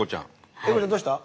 英孝ちゃんどうした？